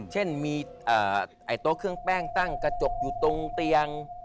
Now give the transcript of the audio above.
เช่นมีโต๊ะเครื่องแป้งตั้งกระจกอยู่ตรงเตียง